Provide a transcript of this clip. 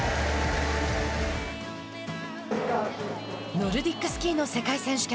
ノルディックスキーの世界選手権。